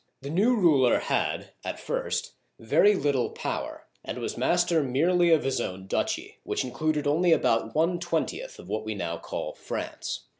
The new ruler had, at first, very little power, and was master merely of his own duchy, which included only about one twentieth of what we now call France.